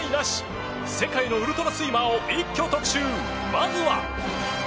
まずは。